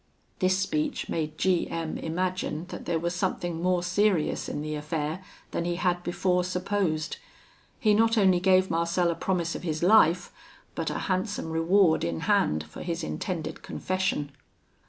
This speech made G M imagine that there was something more serious in the affair than he had before supposed; he not only gave Marcel a promise of his life, but a handsome reward in hand for his intended confession.